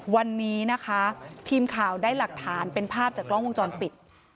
วันนี้นะคะทีมข่าวได้หลักฐานเป็นภาพจากกล้องวงจรปิด